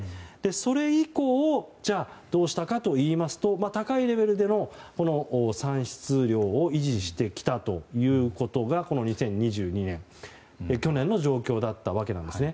それ以降、じゃあどうしたかといいますと高いレベルでの産出量を維持してきたということが２０２２年去年の状況だったわけですね。